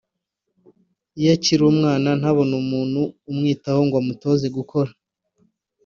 Iyo akiri umwana ntabone umuntu umwitaho ngo amutoze gukora